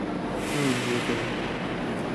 個人覺得